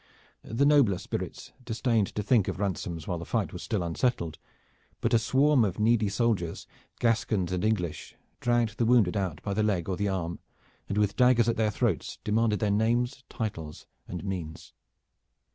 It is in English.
The nobler spirits disdained to think of ransoms whilst the fight was still unsettled; but a swarm of needy soldiers, Gascons and English, dragged the wounded out by the leg or the arm, and with daggers at their throats demanded their names, title and means.